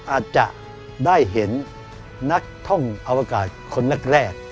อาจจะได้เห็นนักท่องอวกาศคนแรก